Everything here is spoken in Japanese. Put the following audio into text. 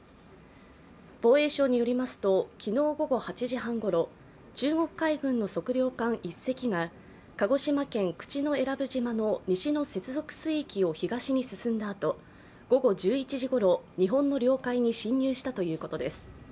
防衛省によりますと、昨日午後８時半ごろ、中国海軍の測量艦１隻が鹿児島県口永良部島の西の接続水域を東に進んだあと午後１１時ごろ、日本の領海に侵入したということです。